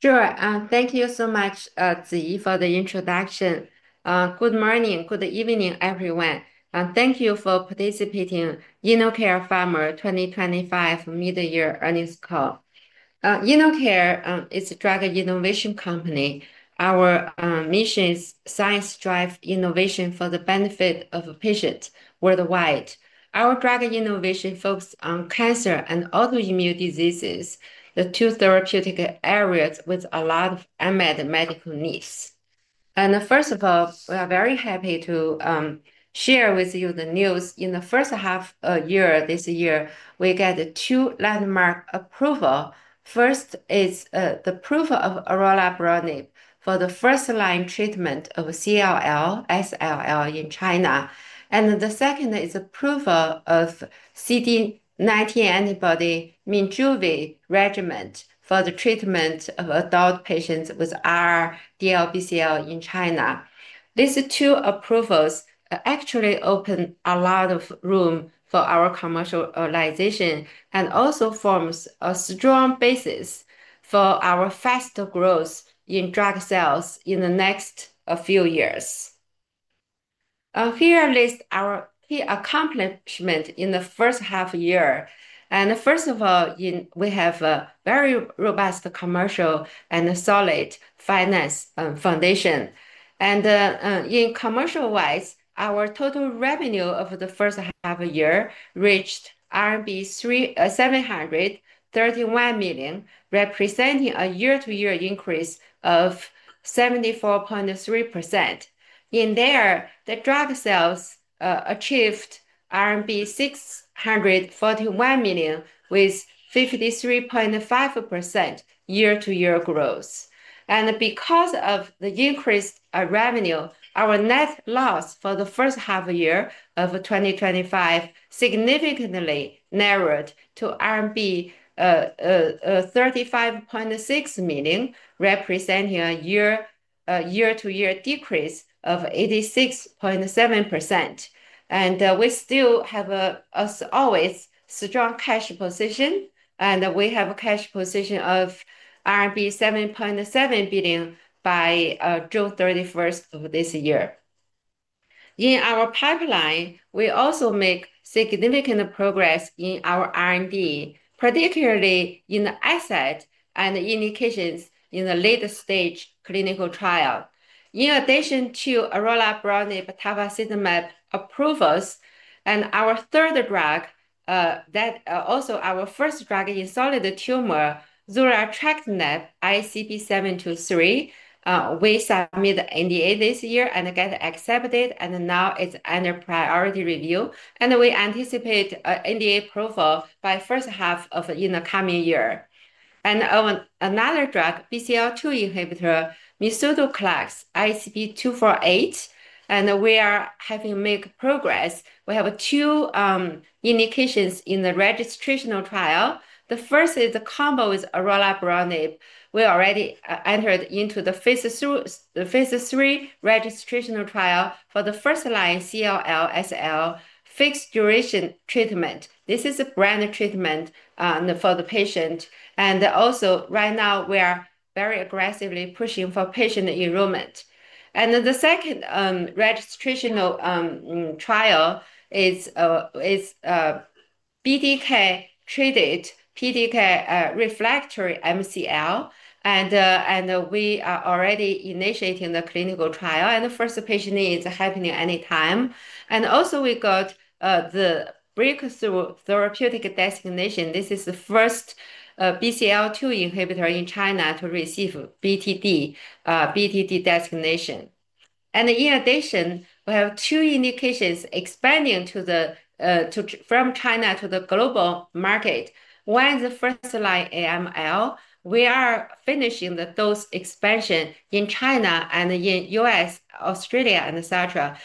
Sure. Thank you so much, Zhi, for the introduction. Good morning, good evening, everyone. Thank you for participating in InnoCare Pharma 2025 mid-year earnings call. InnoCare is a drug innovation company. Our mission is science-driven innovation for the benefit of patients worldwide. Our drug innovation focuses on cancer and autoimmune diseases, the two therapeutic areas with a lot of unmet medical needs. First of all, we are very happy to share with you the news. In the first half of the year, this year, we got two landmark approvals. First is the approval of Orelabrutinib for the first-line treatment of CLL, SLL in China. The second is the approval of CD19 antibody Minjuvi regimen for the treatment of adult patients with R/R DLBCL in China. These two approvals actually open a lot of room for our commercialization and also form a strong basis for our fast growth in drug sales in the next few years. Here are our key accomplishments in the first half of the year. First of all, we have a very robust commercial and solid finance foundation. Commercial-wise, our total revenue over the first half of the year reached RMB 731 million, representing a year-to-year increase of 74.3%. In there, the drug sales achieved RMB 641 million with 53.5% year-to-year growth. Because of the increased revenue, our net loss for the first half of the year of 2025 significantly narrowed to RMB 35.6 million, representing a year-to-year decrease of 86.7%. We still have, as always, a strong cash position. We have a cash position of RMB 7.7 billion by June 31st of this year. In our pipeline, we also make significant progress in our R&D, particularly in the asset and the indications in the late-stage clinical trial. In addition to Orelabrutinib and Tafasitamab approvals, our third drug, also our first drug in solid tumor, Zurletrectinib, ICP-723, we submitted NDA this year and got accepted. Now it's under priority review. We anticipate NDA approval by the first half of the coming year. On another drug, BCL2 inhibitor, Mesutoclax, ICP-248, we are having to make progress. We have two indications in the registration trial. The first is a combo with Orelabrutinib. We already entered into the phase III registration trial for the first-line CLL, SLL fixed-duration treatment. This is a brand-new treatment for the patient. Right now, we are very aggressively pushing for patient enrollment. The second registrational trial is BTKi-treated BTKi-refractory MCL. We are already initiating the clinical trial, and the first patient is happening anytime. We got the breakthrough therapeutic designation. This is the first BCL2 inhibitor in China to receive BTD designation. In addition, we have two indications expanding from China to the global market. One is the first-line AML. We are finishing those expansions in China and in the U.S., Australia, etc.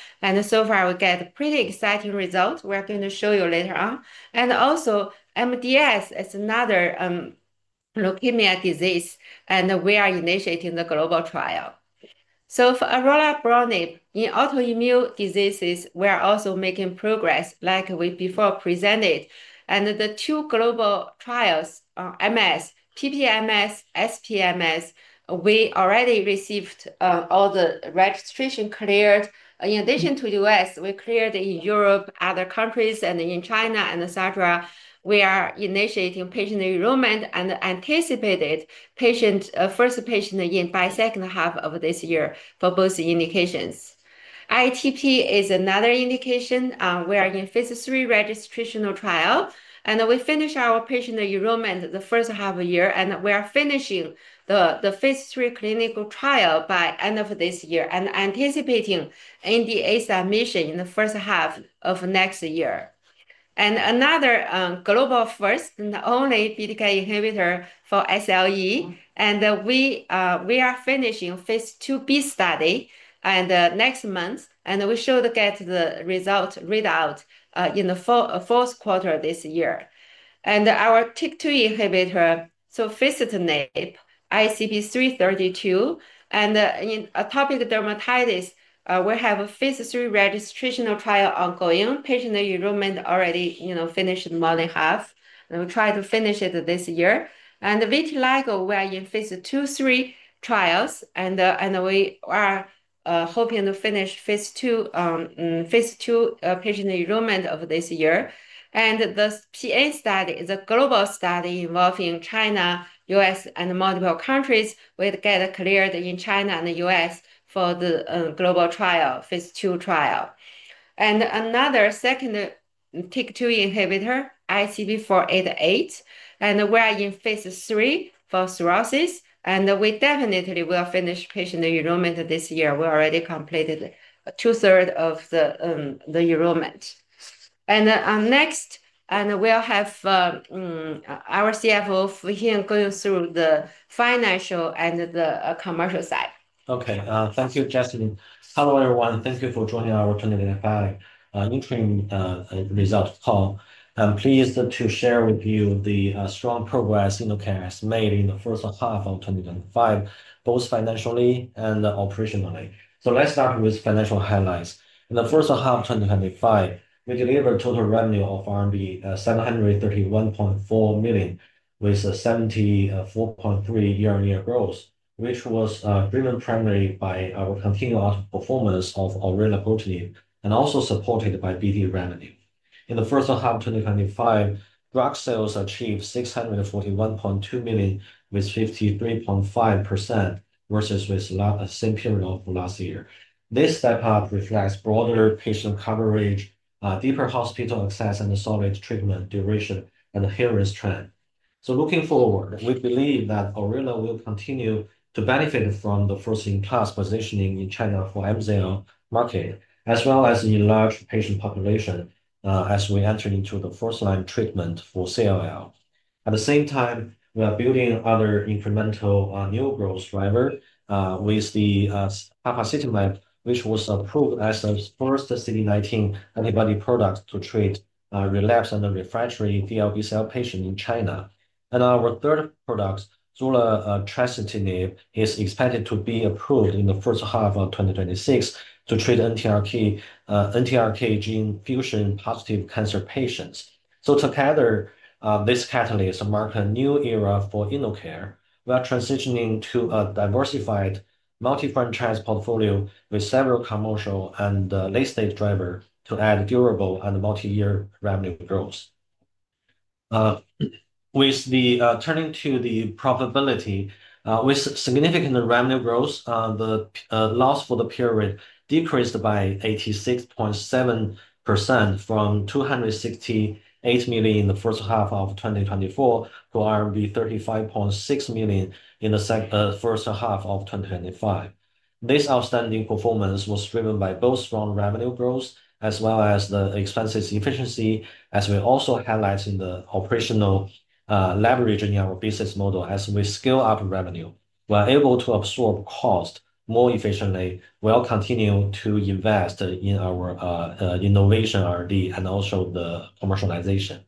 So far, we got pretty exciting results. We're going to show you later on. MDS is another leukemia disease, and we are initiating the global trial. For Orelabrutinib in autoimmune diseases, we are also making progress like we before presented. The two global trials on MS, PPMS, SPMS, we already received all the registration cleared. In addition to the U.S., we cleared in Europe, other countries, and in China, etc. We are initiating patient enrollment and anticipate first patient in by the second half of this year for both indications. ITP is another indication. We are in phase three registration trial, and we finish our patient enrollment in the first half of the year. We are finishing the phase three clinical trial by the end of this year and anticipating NDA submission in the first half of next year. Another global first and only BTK inhibitor for SLE, and we are finishing phase II-B study next month. We should get the results read out in the fourth quarter of this year. Our TYK2 inhibitor, Sofitinib, ICP-332, in atopic dermatitis, we have a phase three registration trial ongoing. Patient enrollment already finished the monthly half, and we try to finish it this year. For vitiligo, we are in phase II/III trials, and we are hoping to finish phase II patient enrollment of this year. The PA study is a global study involving China, the U.S., and multiple countries. We got cleared in China and the U.S. for the global trial, phase II trial. Another second TYK2 inhibitor, ICP-488, and we are in phase III for cirrhosis. We definitely will finish patient enrollment this year. We already completed 2/3 of the enrollment. Next, we'll have our CFO, Fu Xin, going through the financial and the commercial side. Okay. Thank you, Jasmine. Hello, everyone. Thank you for joining our 2025 interim results call. I'm pleased to share with you the strong progress InnoCare has made in the first half of 2025, both financially and operationally. Let's start with financial highlights. In the first half of 2025, we delivered total revenue of RMB 731.4 million with 74.3% year-on-year growth, which was driven primarily by our continued outperformance of our Orelabrutinib product and also supported by BD revenue. In the first half of 2025, drug sales achieved 641.2 million with 53.5% growth versus the same period of last year. This step-up reflects broader patient coverage, deeper hospital access, and a solid treatment duration and adherence trend. Looking forward, we believe that Orela will continue to benefit from the first-in-class positioning in China for the MZL market, as well as in the large patient population, as we enter into the first-line treatment for CLL. At the same time, we are building other incremental new growth drivers with Tafasitamab, which was approved as the first CD19 antibody product to treat relapsed and refractory DLBCL patients in China. Our third product, Zurletrectinib, is expected to be approved in the first half of 2026 to treat NTRK gene fusion-positive cancer patients. Together, these catalysts mark a new era for InnoCare. We are transitioning to a diversified, multi-franchise portfolio with several commercial and late-stage drivers to add durable and multi-year revenue growth. Turning to profitability, with significant revenue growth, the loss for the period decreased by 86.7% from 268 million in the first half of 2024 to RMB 35.6 million in the first half of 2025. This outstanding performance was driven by both strong revenue growth as well as expense efficiency, as we also highlight the operational leverage in our business model. As we scale up revenue, we're able to absorb cost more efficiently while continuing to invest in our innovation R&D and also commercialization.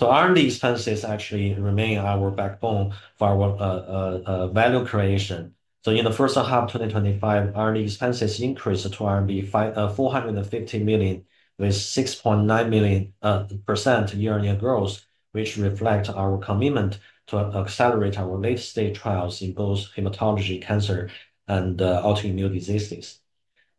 R&D expenses actually remain our backbone for our value creation. In the first half of 2025, R&D expenses increased to 450 million with 6.9% year-on-year growth, which reflects our commitment to accelerate our late-stage trials in both hematology, cancer, and autoimmune diseases.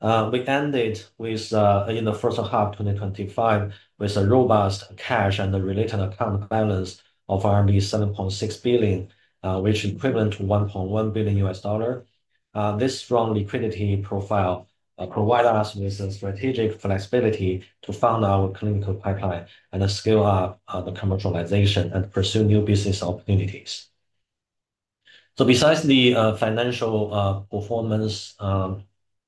We ended the first half of 2025 with a robust cash and related account balance of RMB 7.6 billion, which is equivalent to $1.1 billion. This strong liquidity profile provides us with strategic flexibility to fund our clinical pipeline and scale up the commercialization and pursue new business opportunities. Besides the financial performance,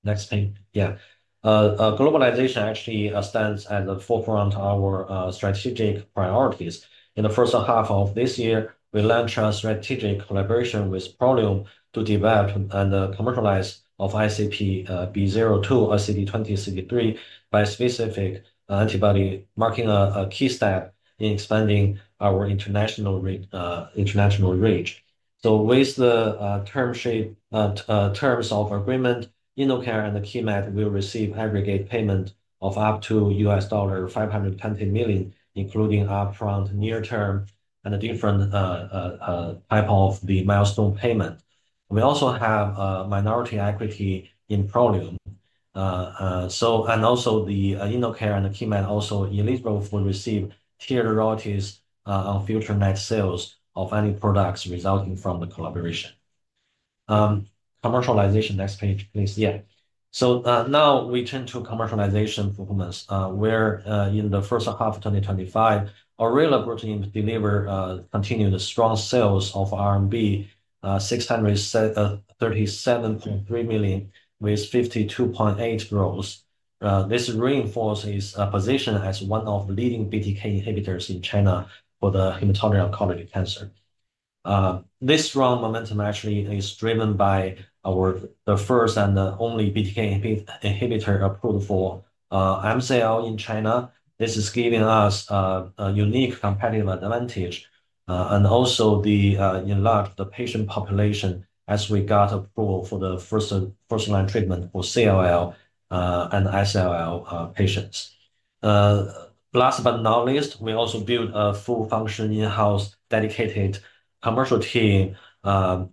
next thing, yeah, globalization actually stands at the forefront of our strategic priorities. In the first half of this year, we launched a strategic collaboration with Prolium to develop and commercialize ICP-B02, ICP-2063 bi-specific antibody, marking a key step in expanding our international reach. With the terms of agreement, InnoCare and Keymed will receive aggregate payment of up to $520 million, including upfront, near-term, and a different type of milestone payment. We also have minority equity in Prolium. InnoCare and Keymed are also eligible for receiving tiered royalties on future net sales of any products resulting from the collaboration. Commercialization, next page, please. Now we turn to commercialization performance, where in the first half of 2025, Orelabrutinib delivered continued strong sales of RMB 6,373 million with 52.8% growth. This reinforces its position as one of the leading BTK inhibitors in China for hematology oncology cancer. This strong momentum actually is driven by our first and the only BTK inhibitor approved for MCL in China. This is giving us a unique competitive advantage, and also enlarged the patient population as we got approval for the first-line treatment for CLL and SLL patients. Last but not least, we also built a full-function in-house dedicated commercial team.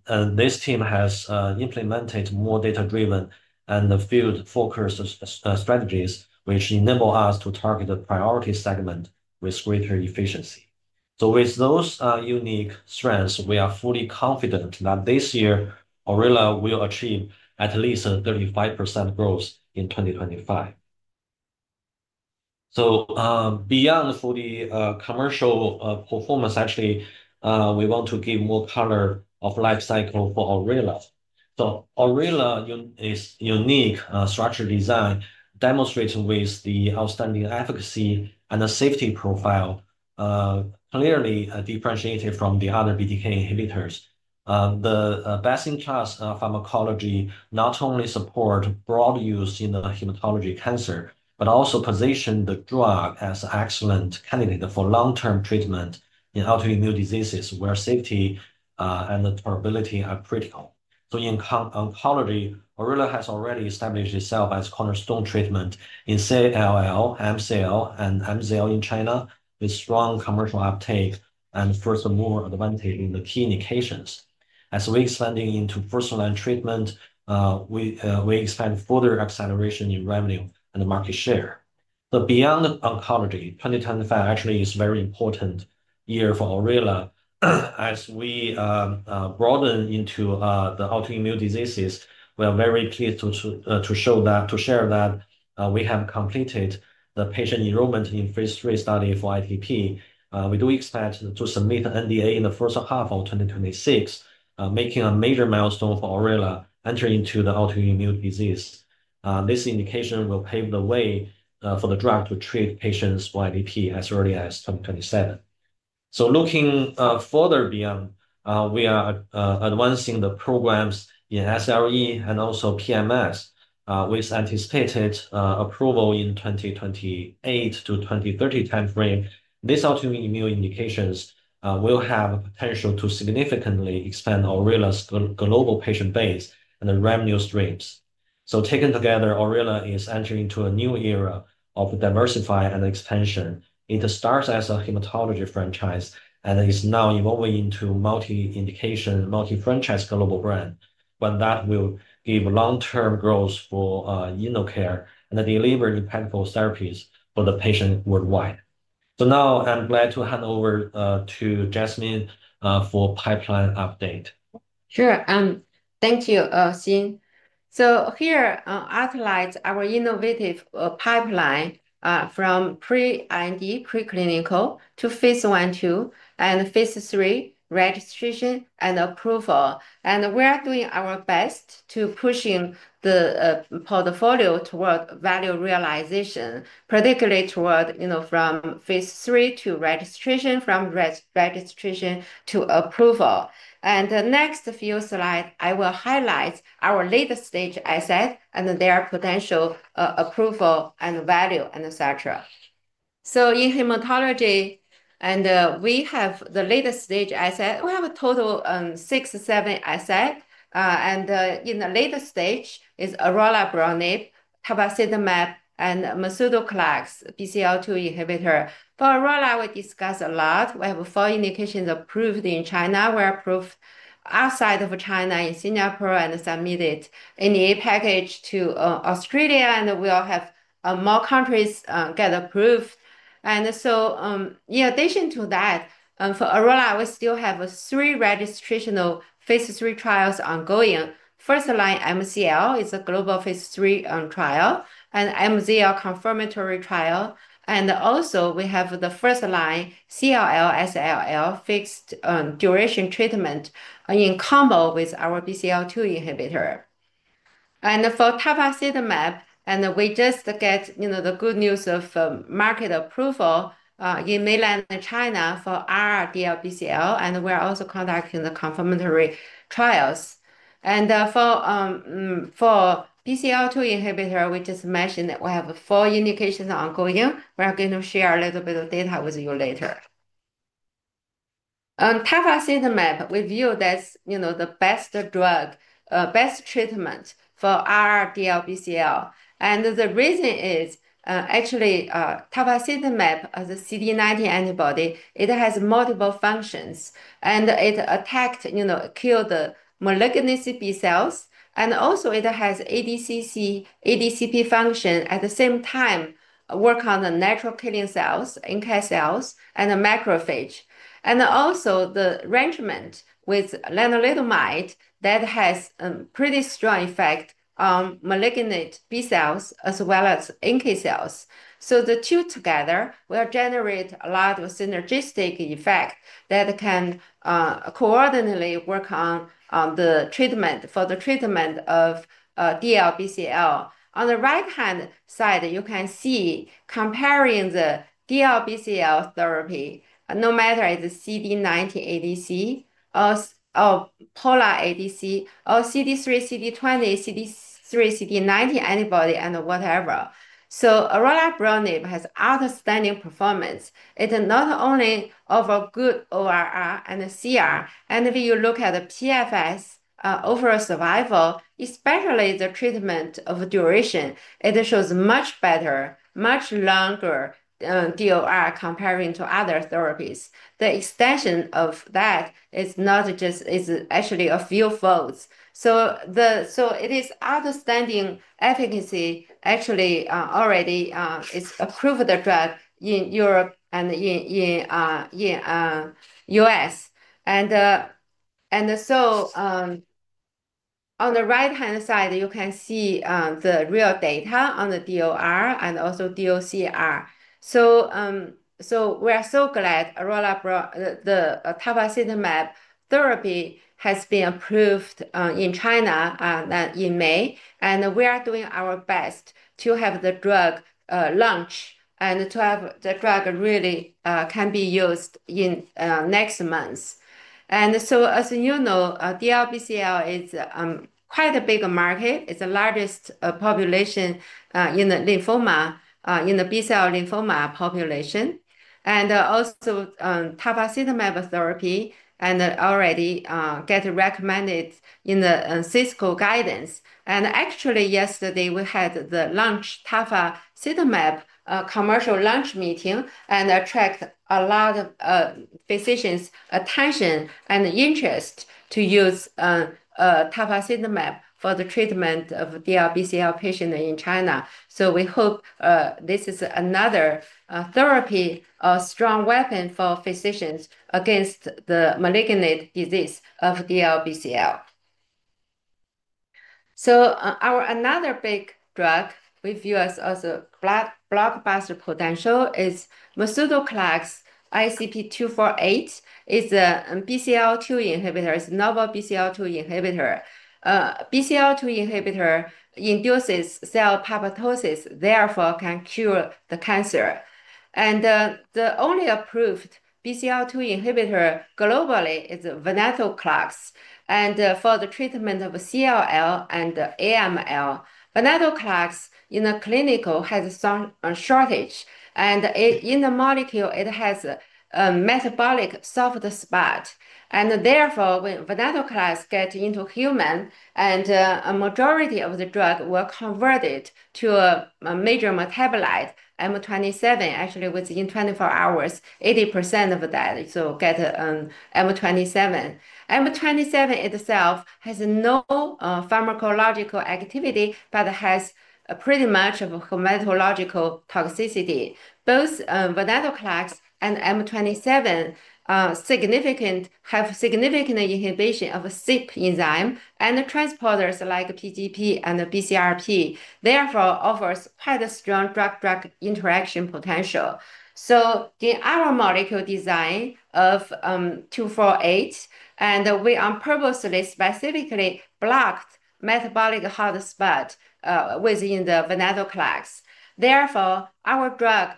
This team has implemented more data-driven and field-focused strategies, which enable us to target the priority segment with greater efficiency. With those unique strengths, we are fully confident that this year Orela will achieve at least a 35% growth in 2025. Beyond fully commercial performance, actually, we want to give more color of life cycle for Orela. Orela's unique structure design demonstrates with the outstanding efficacy and the safety profile, clearly differentiated from the other BTK inhibitors. The best-in-class pharmacology not only supports broad use in the hematology cancer, but also positions the drug as an excellent candidate for long-term treatment in autoimmune diseases where safety and tolerability are critical. In oncology, Orela has already established itself as a cornerstone treatment in CLL, MCL, and MZL in China, with strong commercial uptake and further advantage in the key indications. As we expand into first-line treatment, we expect further acceleration in revenue and market share. Beyond oncology, 2025 actually is a very important year for Orela. As we broaden into the autoimmune diseases, we are very pleased to share that we have completed the patient enrollment in phase three study for ITP. We do expect to submit an NDA in the first half of 2026, making a major milestone for Orela entering into the autoimmune disease. This indication will pave the way for the drug to treat patients for ITP as early as 2027. Looking further beyond, we are advancing the programs in SLE and also PMS with anticipated approval in the 2028 to 2030 timeframe. These autoimmune indications will have the potential to significantly expand Orela's global patient base and the revenue streams. Taken together, Orela is entering into a new era of diversifying and expansion. It starts as a hematology franchise and is now evolving into a multi-indication, multi-franchise global brand. That will give long-term growth for InnoCare and deliver new pathway therapies for the patient worldwide. Now I'm glad to hand over to Jasmine for a pipeline update. Sure. Thank you, Xin. Here I'll highlight our innovative pipeline from pre-IND, preclinical, to phase I/II, and phase III registration and approval. We are doing our best to push the portfolio toward value realization, particularly from phase III to registration, from registration to approval. In the next few slides, I will highlight our late-stage asset and their potential approval and value, et cetera. In hematology, we have the late-stage asset. We have a total of six, seven assets. In the late stage is Orelabrutinib, Tafasitamab, and Mesutoclax, BCL2 inhibitor. For Orela, we discussed a lot. We have four indications approved in China. We're approved outside of China in Singapore and submitted NDA package to Australia. We will have more countries get approved. In addition to that, for Orela, we still have three registrational phase III trials ongoing. First-line MCL is a global phase III trial and MCL confirmatory trial. We have the first-line CLL, SLL fixed-duration treatment in combo with our BCL2 inhibitor. For Tafasitamab, we just got the good news of market approval in mainland China for R/R DLBCL. We're also conducting the confirmatory trials. For BCL2 inhibitor, we just mentioned that we have four indications ongoing. We're going to share a little bit of data with you later. Tafasitamab, we view that's the best drug, best treatment for R/R DLBCL. The reason is actually Tafasitamab, the CD19 antibody, it has multiple functions. It attacks, kills the malignant B cells. It has ADCC, ADCP function at the same time, working on the natural killing cells, NK cells, and macrophage. The arrangement with Lenalidomide has a pretty strong effect on malignant B cells as well as NK cells. The two together will generate a lot of synergistic effect that can coordinately work on the treatment for the treatment of DLBCL. On the right-hand side, you can see comparing the DLBCL therapy, no matter if it's CD19 ADC or Pola ADC or CD3, CD20, CD3, CD19 antibody and whatever. Orelabrutinib has outstanding performance. It not only offers good ORR and CR, and if you look at the PFS overall survival, especially the treatment of duration, it shows much better, much longer DOR comparing to other therapies. The extension of that is not just actually a few folds. It is outstanding efficacy, actually, already is approved drug in Europe and in the U.S. On the right-hand side, you can see the real data on the DOR and also DOCR. We are so glad oral Tafasitamab therapy has been approved in China in May. We are doing our best to have the drug launched and to have the drug really can be used in next month. As you know, DLBCL is quite a big market. It's the largest population in the lymphoma, in the B cell lymphoma population. Tafasitamab therapy already gets recommended in the CSCO guidance. Actually, yesterday, we had the Tafasitamab commercial launch meeting and attracted a lot of physicians' attention and interest to use Tafasitamab for the treatment of DLBCL patients in China. We hope this is another therapy or strong weapon for physicians against the malignant disease of DLBCL. Our another big drug we view as a blockbuster potential is Mesutoclax, ICP-248. It's a BCL2 inhibitor, it's a novel BCL2 inhibitor. BCL2 inhibitor induces cell apoptosis, therefore can cure the cancer. The only approved BCL2 inhibitor globally is Venetoclax. For the treatment of CLL and AML, Venetoclax in the clinical has some shortage. In the molecule, it has a metabolic soft spot. Therefore, when Venetoclax gets into humans, a majority of the drug will convert to a major metabolite, M27, actually within 24 hours, 80% of that will get M27. M27 itself has no pharmacological activity but has pretty much hematological toxicity. Both Venetoclax and M27 have significant inhibition of the CYP enzyme and transporters like PGP and BCRP. Therefore, it offers quite a strong drug-drug interaction potential. In our molecule design of 248, we purposely specifically blocked metabolic hot spot within the Venetoclax. Therefore, our drug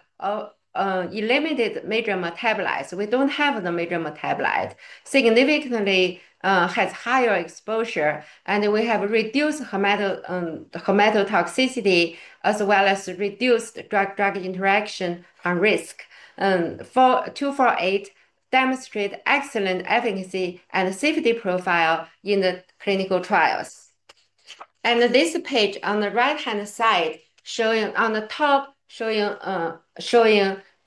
eliminated major metabolites. We don't have the major metabolite. Significantly, it has higher exposure. We have reduced hematotoxicity as well as reduced drug-drug interaction risk. For 248 demonstrates excellent efficacy and safety profile in the clinical trials. This page on the right-hand side, showing on the top, showing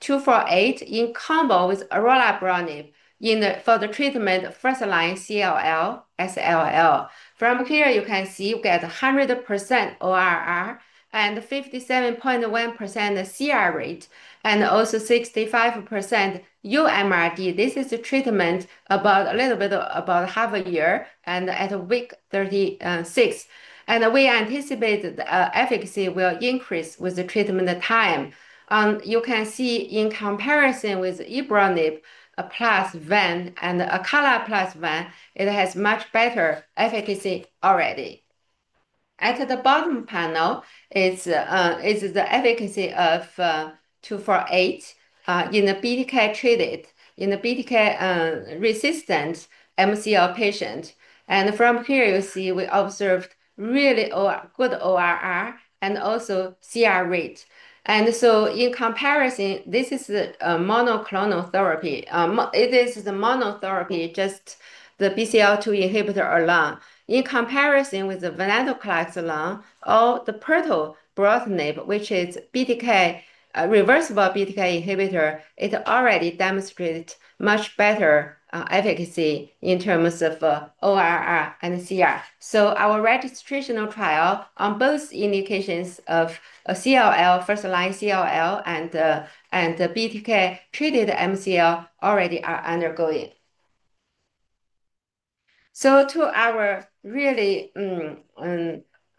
248 in combo with Orelabrutinib for the treatment of first-line CLL, SLL. From here, you can see we get 100% ORR and 57.1% CR rate and also 65% UMRD. This is the treatment about a little bit about half a year and at week 36. We anticipate the efficacy will increase with the treatment time. You can see in comparison with Ibrutinib plus ven and Acalabrutinib plus ven, it has much better efficacy already. At the bottom panel, it's the efficacy of 248 in the BTKi-treated, in the BTKi-resistant MCL patient. From here, you see we observed really good ORR and also CR rate. In comparison, this is the monoclonal therapy. It is the monotherapy, just the BCL2 inhibitor alone. In comparison with the Venetoclax alone, or the Pirtobrutinib, which is a reversible BTK inhibitor, it already demonstrates much better efficacy in terms of ORR and CR. Our registrational trial on both indications of CLL, first-line CLL, and BTKi-treated MCL already are undergoing. We are really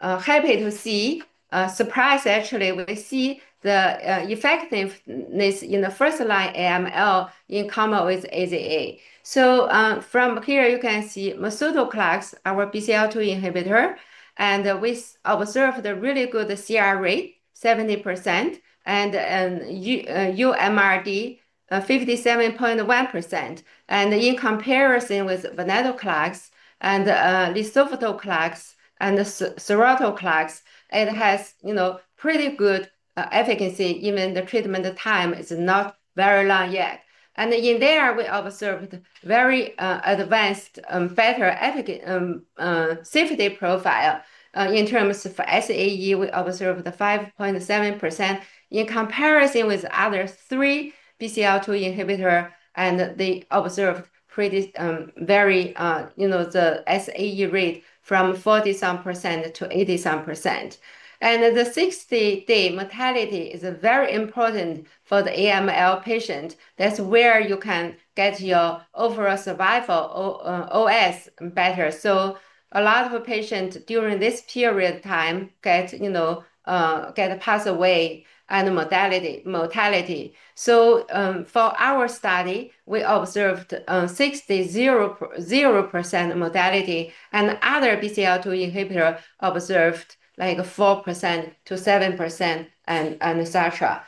happy to see, actually, we see the effectiveness in the first-line AML in combo with AZA. From here, you can see Mesutoclax, our BCL2 inhibitor, and we observe the really good CR rate, 70%, and UMRD 57.1%. In comparison with Venetoclax, Lisaftoclax, and sonrotoclax, it has pretty good efficacy, even the treatment time is not very long yet. In there, we observed very advanced better safety profile in terms of SAE. We observed 5.7% in comparison with the other three BCL2 inhibitors. They observed the SAE rate from 40%-80%. The 60-day mortality is very important for the AML patient. That's where you can get your overall survival OS better. A lot of patients during this period of time pass away and mortality. For our study, we observed 6% mortality. Other BCL2 inhibitors observed like 4%-7%, etc.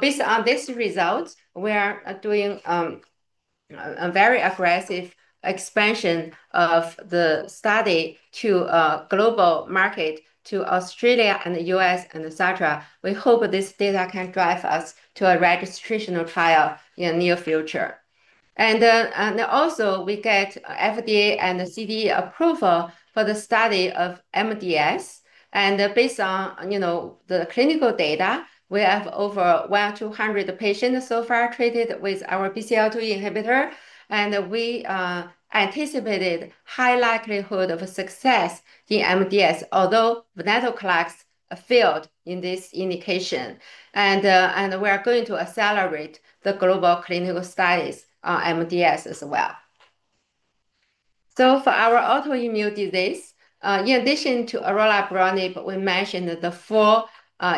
Based on these results, we are doing a very aggressive expansion of the study to a global market to Australia and the U.S., etc. We hope this data can drive us to a registrational trial in the near future. We get FDA and CDE approval for the study of MDS. Based on the clinical data, we have over 1,200 patients so far treated with our BCL2 inhibitor. We anticipated a high likelihood of success in MDS, although Venetoclax failed in this indication. We are going to accelerate the global clinical studies on MDS as well. For our autoimmune disease, in addition to Orelabrutinib, we mentioned the four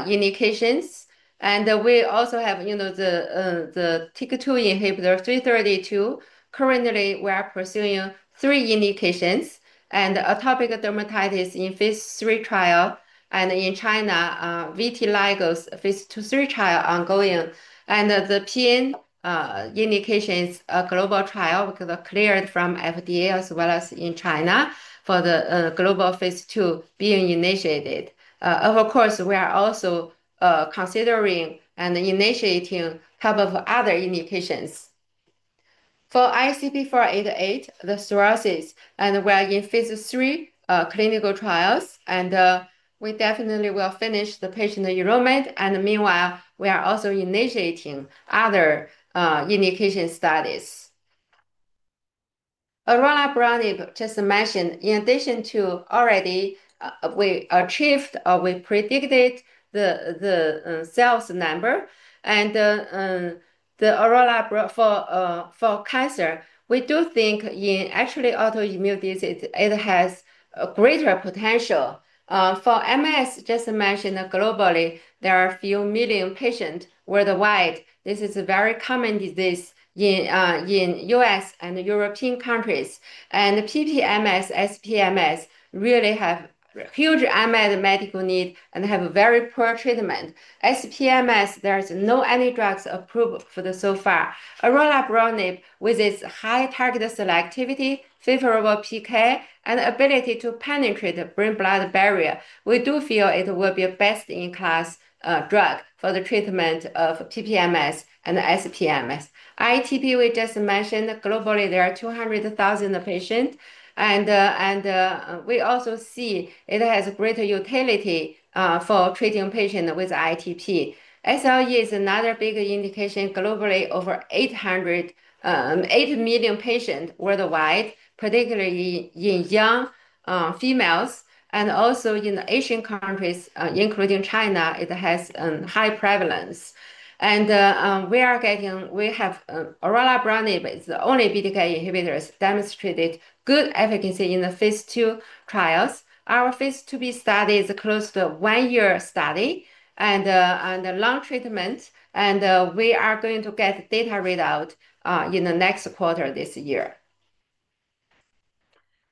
indications. We also have the TYK2 inhibitor 332. Currently, we are pursuing three indications: an atopic dermatitis in phase III trial in China, vitiligo phase II/III trial ongoing, and the PN indications global trial because cleared from FDA as well as in China for the global phase II being initiated. Of course, we are also considering and initiating a couple of other indications. For ICP-488, the cirrhosis, and we're in phase III clinical trials. We definitely will finish the patient enrollment. Meanwhile, we are also initiating other indication studies. Orelabrutinib, just mentioned, in addition to already we achieved or we predicted the sales number. Orelabrutinib for cancer, we do think in actually autoimmune disease, it has greater potential. For MS, just mentioned globally, there are a few million patients worldwide. This is a very common disease in the U.S. and European countries. PPMS, SPMS really have huge medical need and have very poor treatment. SPMS, there are no drugs approved for this so far. Orelabrutinib, with its high target selectivity, favorable PK, and ability to penetrate the brain-blood barrier, we do feel it will be a best-in-class drug for the treatment of PPMS and SPMS. ITP, we just mentioned, globally, there are 200,000 patients. We also see it has greater utility for treating patients with ITP. SLE is another big indication globally, over 800 million patients worldwide, particularly in young females. Also in Asian countries, including China, it has a high prevalence. We are getting, we have Orelabrutinib, it's the only BTK inhibitor that demonstrated good efficacy in the phase II trials. Our phase II-B study is close to a one-year study and long treatment. We are going to get data readout in the next quarter this year.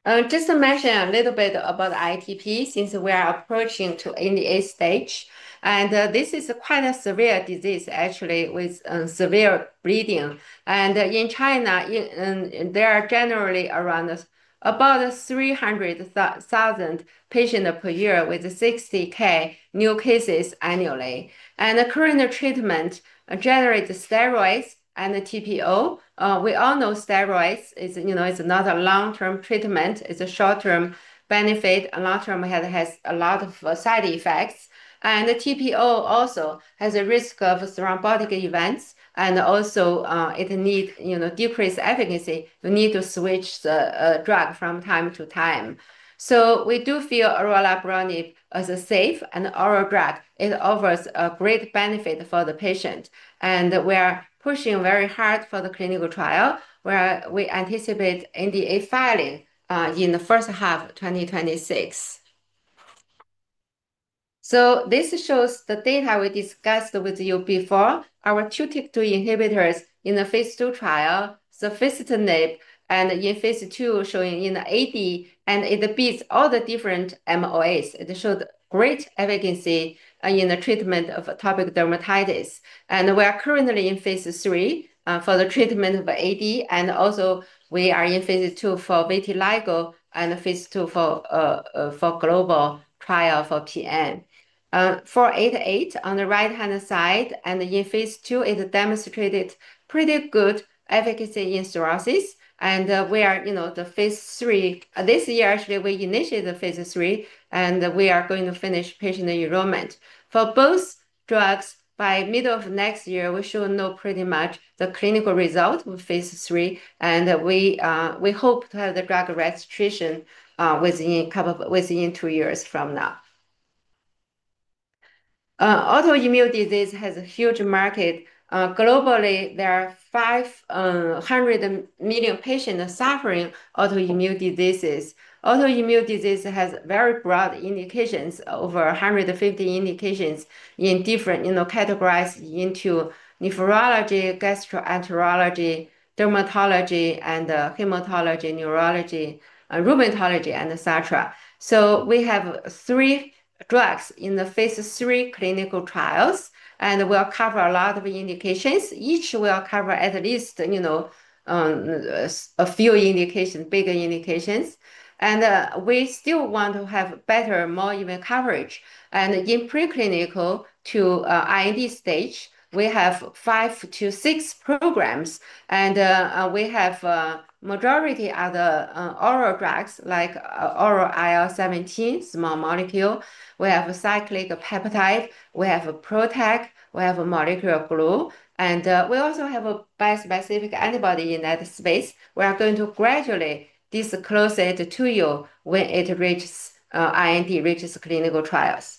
Just to mention a little bit about ITP since we are approaching to NDA stage. This is quite a severe disease, actually, with severe bleeding. In China, there are generally around about 300,000 patients per year with 60,000 new cases annually. The current treatment generates steroids and TPO. We all know steroids is not a long-term treatment. It's a short-term benefit. Long-term has a lot of side effects. TPO also has a risk of thrombotic events. It needs decreased efficacy. You need to switch the drug from time to time. We do feel Orelabrutinib is a safe and oral drug. It offers a great benefit for the patient. We are pushing very hard for the clinical trial where we anticipate NDA filing in the first half of 2026. This shows the data we discussed with you before, our two TYK2 inhibitors in the phase II trial, Tafasitamab, and in phase II showing in AD. It beats all the different MOAs. It showed great efficacy in the treatment of atopic dermatitis. We are currently in phase three for the treatment of AD. We are in phase II for vitiligo and phase II for global trial for TN. 488 on the right-hand side. In phase II, it demonstrated pretty good efficacy in cirrhosis. We are in phase three. This year, actually, we initiated phase III, and we are going to finish patient enrollment. For both drugs, by the middle of next year, we should know pretty much the clinical result of phase III. We hope to have the drug registration within two years from now. Autoimmune disease has a huge market. Globally, there are 500 million patients suffering autoimmune diseases. Autoimmune disease has very broad indications, over 150 indications categorized into nephrology, gastroenterology, dermatology, hematology, neurology, rheumatology, etc. We have three drugs in the phase III clinical trials, and we'll cover a lot of indications. Each will cover at least a few indications, bigger indications. We still want to have better, more immune coverage. In preclinical to IND stage, we have five to six programs. We have a majority of the oral drugs like oral IL-17, small molecule. We have a cyclic peptide. We have a PROTAC. We have a molecular glue. We also have a bi-specific antibody in that space. We are going to gradually disclose it to you when it reaches IND, reaches clinical trials.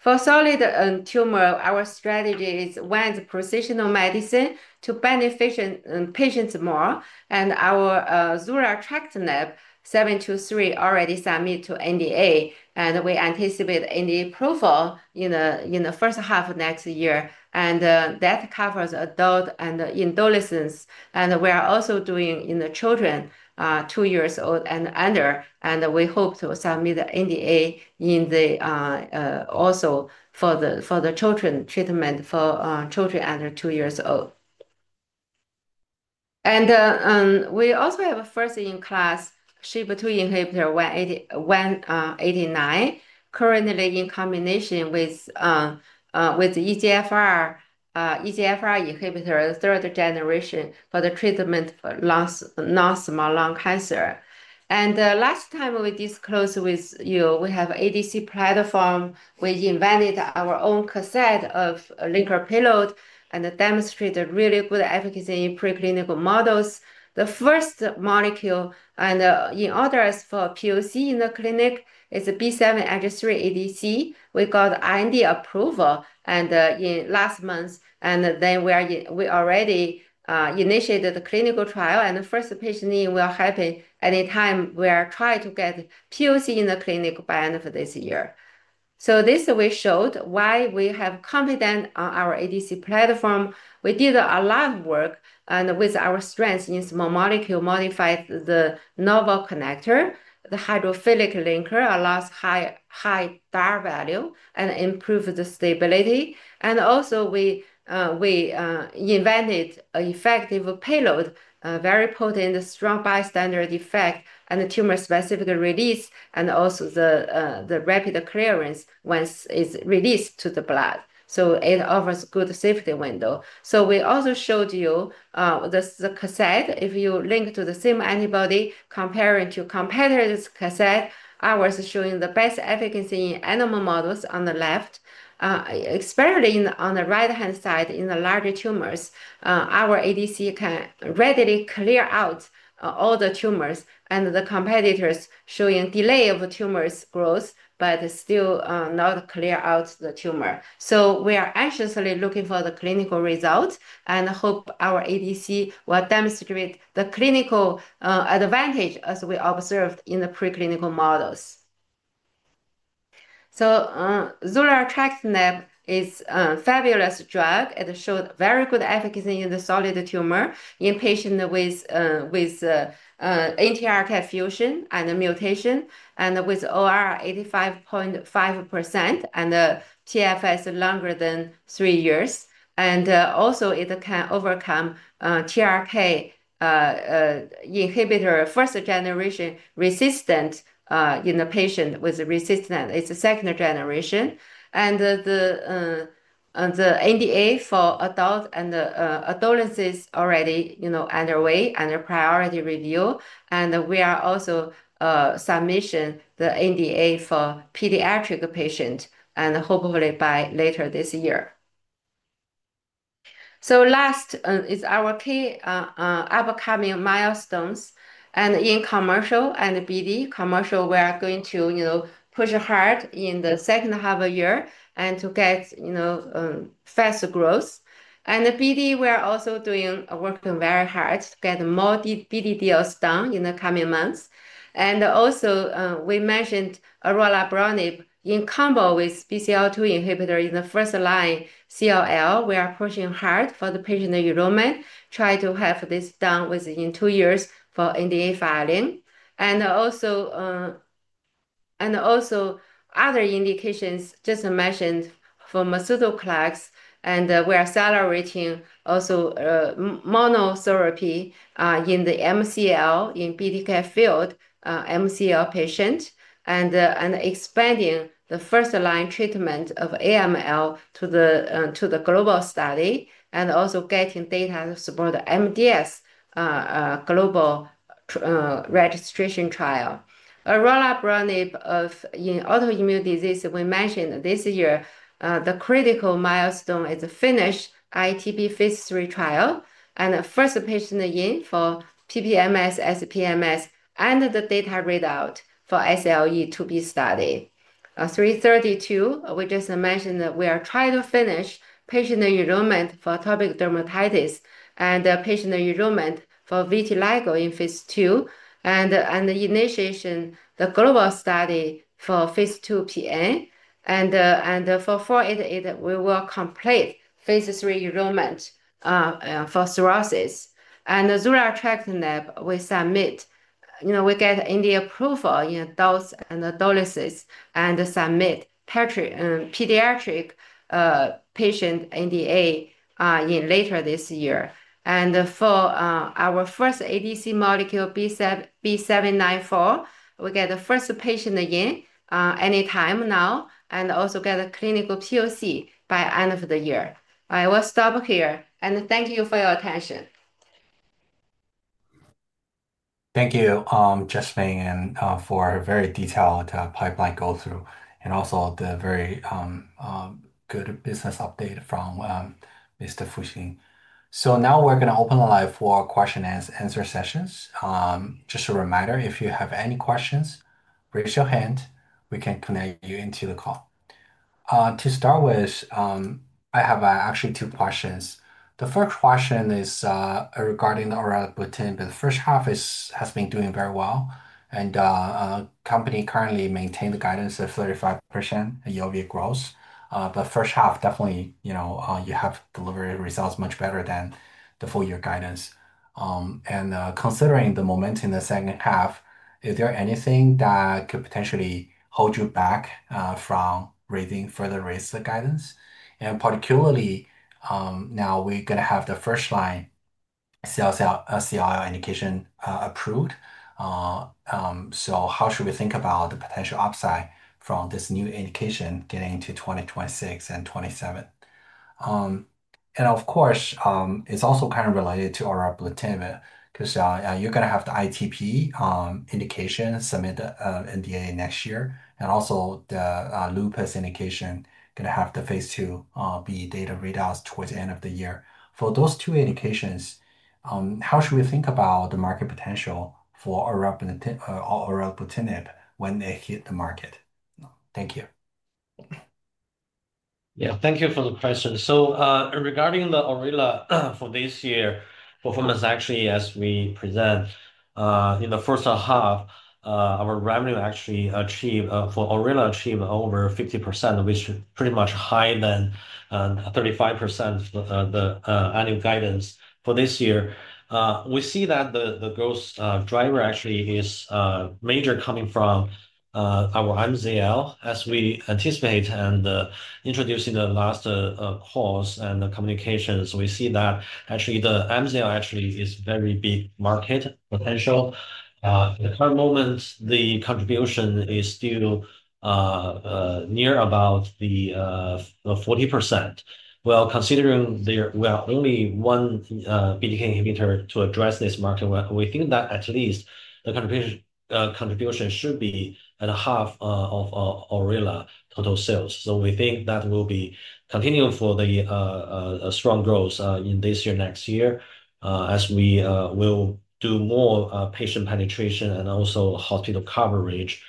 For solid tumor, our strategy is wide precision medicine to benefit patients more. Our Zurletrectinib 723 already submitted to NDA, and we anticipate NDA profile in the first half of next year. That covers adult and adolescents. We are also doing in the children two years old and under, and we hope to submit the NDA also for the treatment for children under two years old. We also have a first-in-class SHP2 inhibitor 189, currently in combination with EGFR inhibitor third generation for the treatment of non-small lung cancer. Last time we disclosed with you, we have ADC platform. We invented our own cassette of liquid pillow and demonstrated really good efficacy in preclinical models. The first molecule in orders for POC in the clinic is B7-H3 ADC. We got IND approval last month, and we already initiated the clinical trial. The first patient, we're happy any time, we are trying to get POC in the clinic by the end of this year. This showed why we have competence on our ADC platform. We did a lot of work with our strengths in small molecule, modified the novel connector. The hydrophilic linker allows high bar value and improves the stability. We invented an effective payload, very potent, strong bystander effect, and tumor-specific release, and also the rapid clearance once it's released to the blood. It offers a good safety window. We also showed you the cassette. If you link to the same antibody, comparing to competitor's cassette, ours is showing the best efficacy in animal models on the left. Especially on the right-hand side in the larger tumors, our ADC can readily clear out all the tumors. The competitors are showing delay of tumor growth but still not clear out the tumor. We are anxiously looking for the clinical results and hope our ADC will demonstrate the clinical advantage as we observed in the preclinical models. Zurletrectinib is a fabulous drug. It showed very good efficacy in the solid tumor in patients with NTRK fusion and mutation and with ORR 85.5% and PFS longer than three years. It can overcome TRK inhibitor first-generation resistance in the patient with resistance. It's a second generation. The NDA for adult and adolescents is already underway under priority review. We are also submitting the NDA for pediatric patients and hopefully by later this year. Last is our key upcoming milestones. In commercial and BD, commercial, we are going to push hard in the second half of the year to get fast growth. In BD, we are also working very hard to get more BD deals done in the coming months. We mentioned Orelabrutinib in combo with BCL2 inhibitor in the first-line CLL. We are pushing hard for the patient enrollment, trying to have this done within two years for NDA filing. Other indications just mentioned for Mesutoclax. We are accelerating also monotherapy in the MCL in BTK field, MCL patients, and expanding the first-line treatment of AML to the global study and also getting data to support the MDS global registration trial. Orelabrutinib in autoimmune disease, we mentioned this year, the critical milestone is finish ITP phase three trial and the first patient in for PPMS, SPMS, and the data read out for SLE to be studied. 332, we just mentioned that we are trying to finish patient enrollment for atopic dermatitis and patient enrollment for vitiligo in phase II, initiating the global study for phase II PA. For 488, we will complete phase three enrollment for cirrhosis. Zurletrectinib, we submit, you know, we get NDA approval in adults and adolescents and submit pediatric patient NDA later this year. For our first ADC molecule, ICP-B794, we get the first patient in any time now and also get a clinical POC by the end of the year. I will stop here. Thank you for your attention. Thank you, Jasmine, and for a very detailed pipeline go through and also the very good business update from Mr. Fu Xin. Now we're going to open the live for question-and-answer sessions. Just a reminder, if you have any questions, raise your hand. We can connect you into the call. To start with, I have actually two questions. The first question is regarding Orelabrutinib. The first half has been doing very well, and the company currently maintains the guidance of 35% yearly growth. The first half, definitely, you know, you have delivered results much better than the full-year guidance. Considering the momentum in the second half, is there anything that could potentially hold you back from raising further rates of guidance? Particularly, now we're going to have the first-line CLL indication approved. How should we think about the potential upside from this new indication getting into 2026 and 2027? Of course, it's also kind of related to Orelabrutinib because you're going to have the ITP indication submitted NDA next year, and also, the lupus indication is going to have the phase II-B data readout towards the end of the year. For those two indications, how should we think about the market potential for Orelabrutinib when they hit the market? Thank you. Yeah, thank you for the question. Regarding Orela for this year, performance actually, as we present, in the first half, our revenue actually achieved for Orela achieved over 50%, which is pretty much higher than 35% of the annual guidance for this year. We see that the growth driver actually is major coming from our MCL, as we anticipate and introduced in the last calls and the communications. We see that actually the MCL actually is a very big market potential. At the current moment, the contribution is still near about 40%. Considering there were only one BTK inhibitor to address this market, we think that at least the contribution should be at half of Orela total sales. We think that will be continuing for the strong growth in this year and next year, as we will do more patient penetration and also hospital coverage.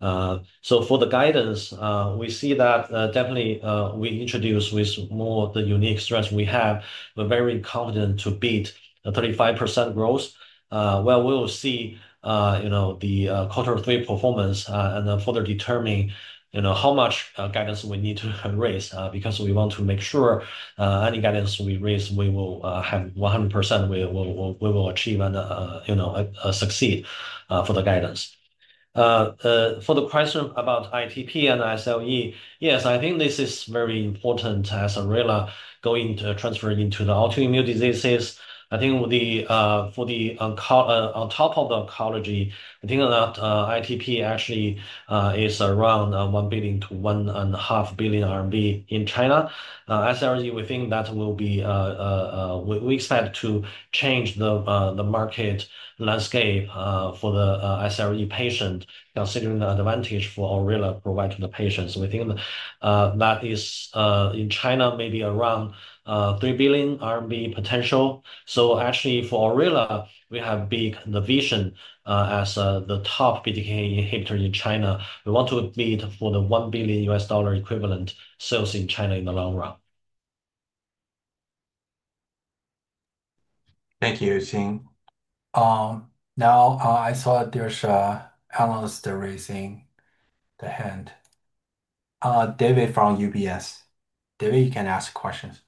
For the guidance, we see that definitely we introduce with more of the unique stress we have. We're very confident to beat the 35% growth. We'll see the quarter three performance and further determine how much guidance we need to raise because we want to make sure any guidance we raise, we will have 100%, we will achieve and succeed for the guidance. For the question about ITP and SLE, yes, I think this is very important as orela going to transfer into the autoimmune diseases. I think for the on top of the oncology, I think that ITP actually is around 1 billion-1.5 billion RMB in China. SLE, we think that will be we expect to change the market landscape for the SLE patient, considering the advantage for Orela provided to the patients. We think that is in China maybe around 3 billion RMB potential. Actually, for Orela, we have a big vision as the top BTK inhibitor in China. We want to beat for the $1 billion equivalent sales in China in the long run. Thank you, Xin. Now I see there's almost raising the hand. David from UBS. David, you can ask questions.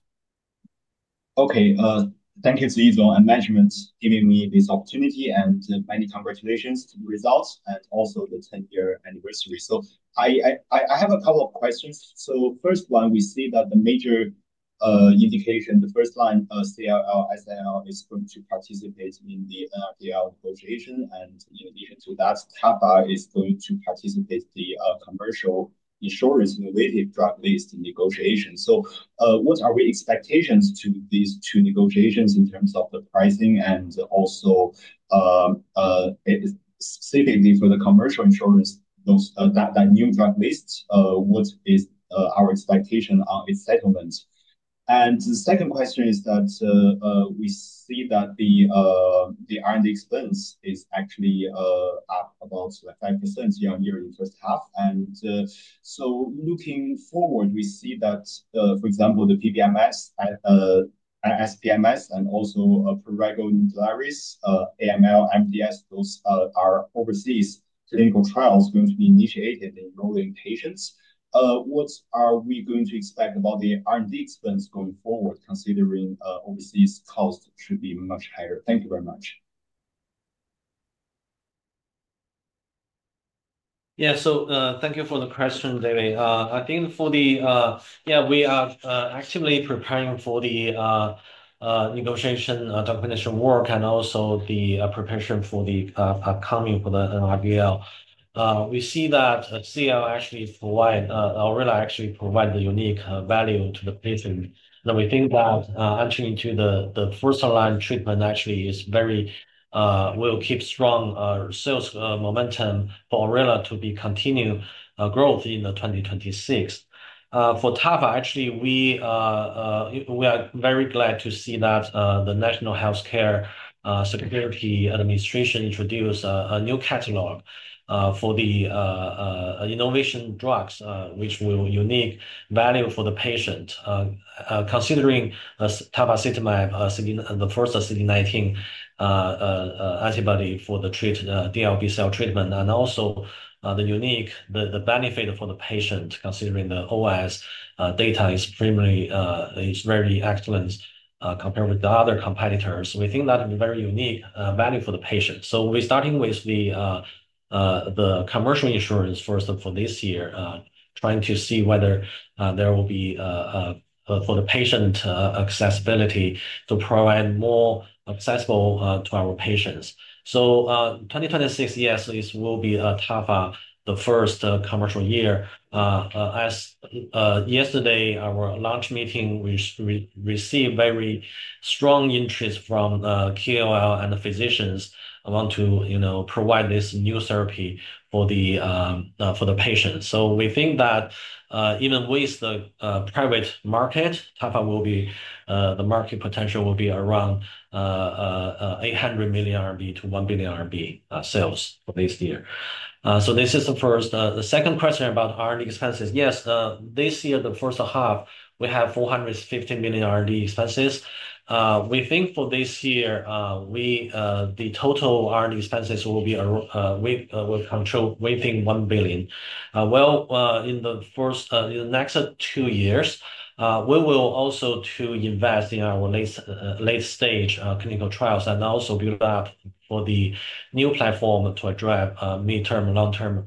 Okay. Thank you to you as well and management giving me this opportunity. Many congratulations to the results and also the 10-year anniversary. I have a couple of questions. First, we see that the major indication, the first-line CLL, SLL, is going to participate in the negotiation. To that, Tafa is going to participate in the commercial insurance-related drug list negotiation. What are the expectations for these two negotiations in terms of the pricing, and also specifically for the commercial insurance new drug list, what is our expectation on its settlement? The second question is that we see that the R&D expense is actually about 25% year-on-year for staff. Looking forward, we see that, for example, the PPMS and SPMS and also preregularitaries, AML, MDS, those are overseas clinical trials going to be initiated in low-lying patients. What are we going to expect about the R&D expense going forward, considering overseas costs should be much higher? Thank you very much. Thank you for the question, David. I think we are actively preparing for the negotiation documentation work and also the preparation for the upcoming NRDL. We see that CLL actually provides, Orela actually provides a unique value to the patient. We think that entering into the first-line treatment actually will keep strong sales momentum for Orela to be continued growth in 2026. For Tafa, we are very glad to see that the National Healthcare Security Administration introduced a new catalog for the innovation drugs, which will unique value for the patient, considering Tafasitamab, the first CD19 antibody for the DLBCL treatment. Also, the unique benefit for the patient, considering the OS data is very excellent compared with the other competitors. We think that is a very unique value for the patient. We're starting with the commercial insurance first for this year, trying to see whether there will be for the patient accessibility to provide more accessible to our patients. In 2026, this will be Tafa, the first commercial year. As yesterday, our launch meeting, we received very strong interest from KOL and the physicians want to provide this new therapy for the patients. We think that even with the private market, Tafa will be the market potential will be around 800 million-1 billion RMB sales for this year. This is the first. The second question about R&D expenses, yes, this year, the first half, we have 415 million R&D expenses. We think for this year, the total R&D expenses will be we're waiting 1 billion. In the next two years, we will also invest in our late-stage clinical trials and also build up for the new platform to drive mid-term and long-term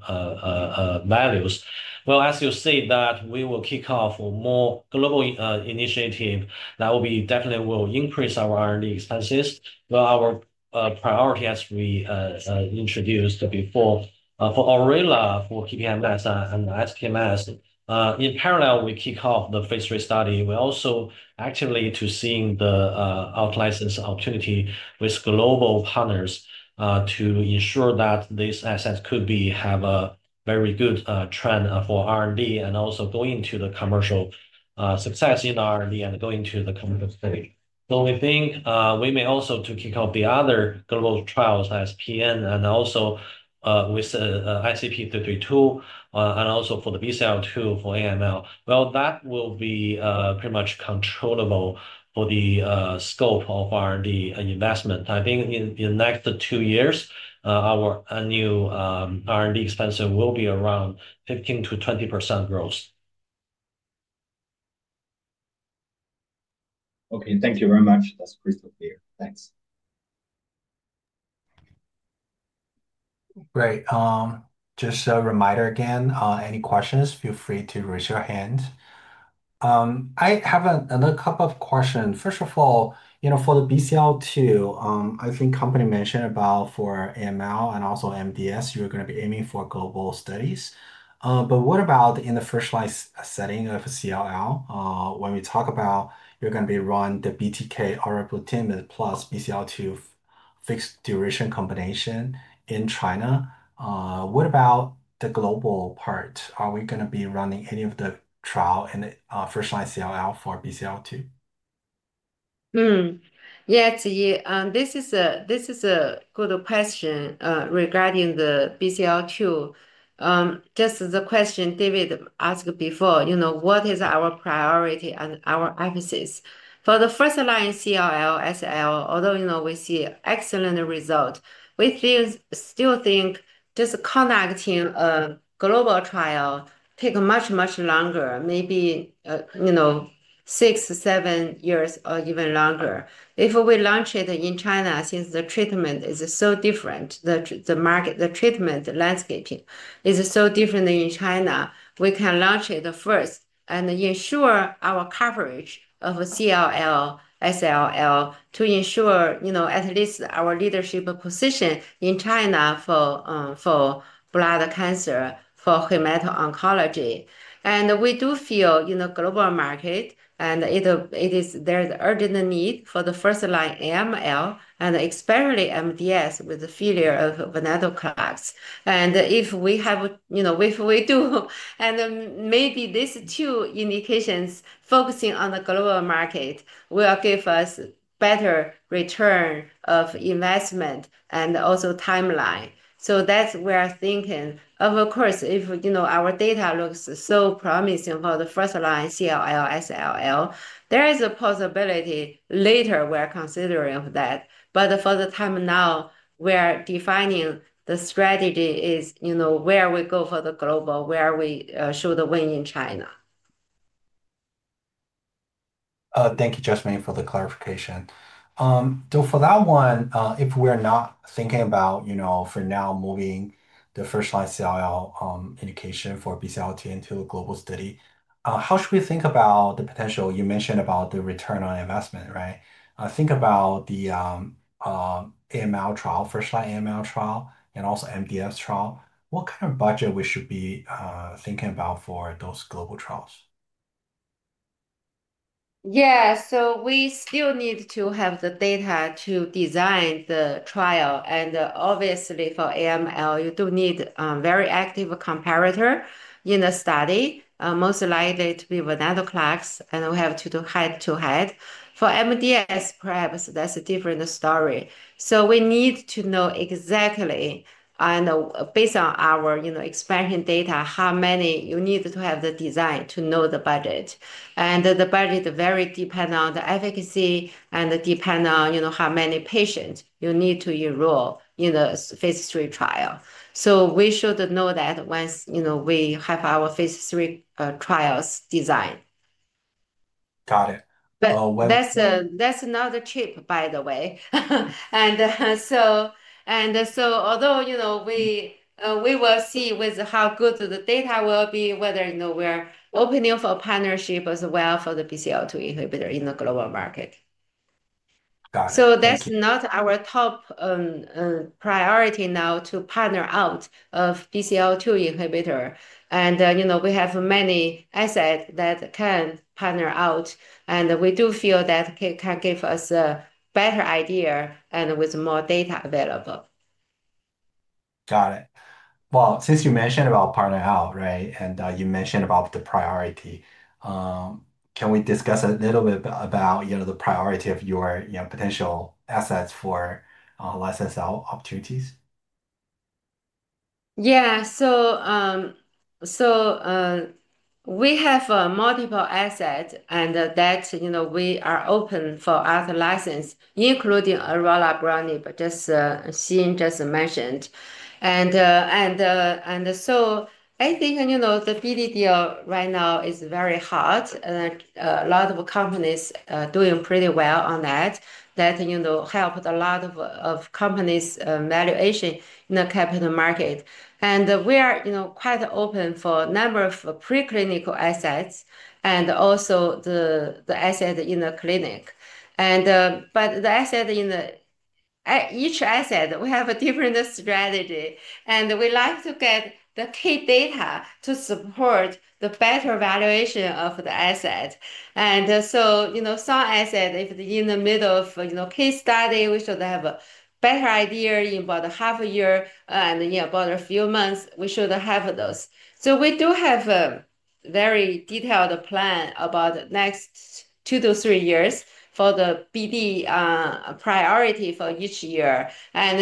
values. As you see, we will kick off more global initiatives that will definitely increase our R&D expenses. Our priority as we introduced before for Orela, for PPMS, and SPMS, in parallel, we kick off the phase III study. We're also actively seeing the outlicensed opportunity with global partners to ensure that these assets could have a very good trend for R&D and also going to the commercial success in R&D and going to the commercial stage. We think we may also kick off the other global trials as PN and also with ICP-332 and also for the BCL2 for AML. That will be pretty much controllable for the scope of R&D investment. I think in the next two years, our annual R&D expenses will be around 15%-20% growth. Okay. Thank you very much. That's crystal clear. Thanks. Great. Just a reminder again, any questions, feel free to raise your hand. I have another couple of questions. First of all, you know, for the BCL2, I think the company mentioned about for AML and also MDS, you're going to be aiming for global studies. What about in the first-line setting of CLL? When we talk about you're going to be running the BTK or Ibrutinib plus BCL2 fixed duration combination in China, what about the global part? Are we going to be running any of the trial in the first-line CLL for BCL2? Yeah, this is a good question regarding the BCL2. Just the question David asked before, you know, what is our priority and our emphasis? For the first-line CLL, SLL, although we see excellent results, we still think just conducting a global trial takes much, much longer, maybe six, seven years or even longer. If we launch it in China, since the treatment is so different, the market, the treatment landscape is so different in China, we can launch it first and ensure our coverage of CLL, SLL to ensure at least our leadership position in China for blood cancer, for hemato-oncology. We do feel in the global market, there is urgent need for the first-line AML and especially MDS with the failure of Venetoclax. If we have, you know, if we do, and maybe these two indications focusing on the global market will give us better return of investment and also timeline. That's where I'm thinking. Of course, if our data looks so promising for the first-line CLL, SLL, there is a possibility later we are considering that. For the time now, we are defining the strategy is where we go for the global, where we show the win in China. Thank you, Jasmine, for the clarification. For that one, if we're not thinking about, you know, for now moving the first-line CLL indication for BCL2 into a global study, how should we think about the potential? You mentioned about the return on investment, right? Think about the AML trial, first-line AML trial, and also MDS trial. What kind of budget we should be thinking about for those global trials? Yeah, we still need to have the data to design the trial. Obviously, for AML, you do need a very active comparator in the study, most likely to be Venetoclax, and we have to do head-to-head. For MDS, perhaps that's a different story. We need to know exactly, and based on our expansion data, how many you need to have the design to know the budget. The budget very depends on the efficacy and depends on how many patients you need to enroll in the phase three trial. We should know that once we have our phase III trials designed. Got it. That's another trip, by the way. Although, you know, we will see with how good the data will be, whether we're opening for a partnership as well for the BCL2 inhibitor in the global market. Got it. That's not our top priority now to partner out our BCL2 inhibitor. We have many assets that can partner out, and we do feel that can give us a better idea with more data available. Since you mentioned about partnering out, right, and you mentioned about the priority, can we discuss a little bit about the priority of your potential assets for license opportunities? Yeah, so we have multiple assets, and we are open for other license, including Orelabrutinib, as Xin just mentioned. I think the BD deal right now is very hot. A lot of companies are doing pretty well on that. That helped a lot of companies' valuation in the capital market. We are quite open for a number of preclinical assets and also the asset in the clinic. Each asset, we have a different strategy. We like to get the key data to support the better valuation of the asset. Some assets, if in the middle of a case study, we should have a better idea in about half a year and about a few months, we should have those. We do have a very detailed plan about the next two to three years for the BD priority for each year. By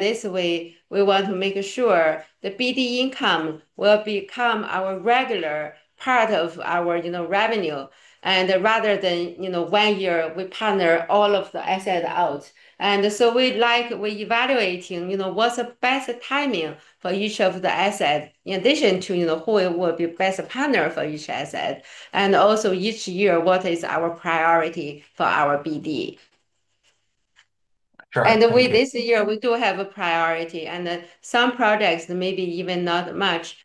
this way, we want to make sure the BD income will become a regular part of our revenue, rather than one year we partner all of the assets out. We like evaluating what's the best timing for each of the assets in addition to who will be the best partner for each asset. Also each year, what is our priority for our BD. This year, we do have a priority. Some projects maybe even not much